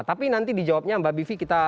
tapi nanti dijawabnya mbak bivi